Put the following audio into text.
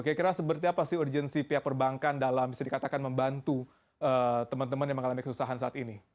kira kira seperti apa sih urgensi pihak perbankan dalam bisa dikatakan membantu teman teman yang mengalami kesusahan saat ini